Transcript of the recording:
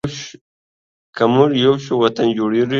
که مونږ یو شو، وطن جوړیږي.